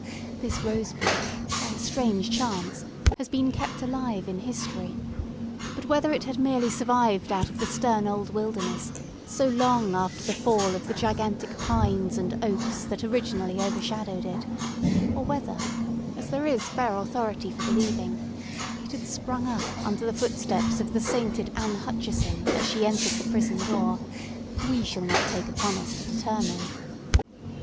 This rose bush, by a strange chance, has been kept alive in history; but whether it had merely survived out of the stern old wilderness, so long after the fall of the gigantic pines and oaks that originally overshadowed it, or whether, as there is fair authority for believing, it had sprung up under the footsteps of the sainted Ann Hutchinson as she entered the prison door, we shall not take upon us to determine.